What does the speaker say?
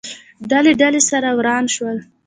ډلې، ډلې، سره وران شول